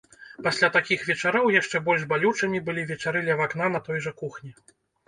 Пасля такіх вечароў яшчэ больш балючымі былі вечары ля вакна на той жа кухні.